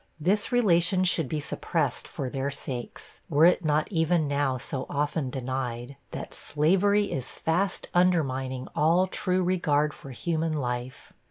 This relation should be suppressed for their sakes, were it not even now so often denied, that slavery is fast undermining all true regard for human life.